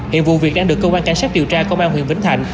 hiện vụ việc đang được công an cảnh sát điều tra công an huyện vĩnh thạnh